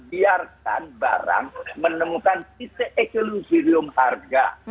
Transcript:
biarkan barang menemukan disekelusirium harga